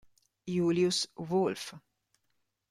Julius Wolff